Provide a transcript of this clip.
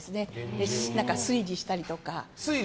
で、推理したりとか。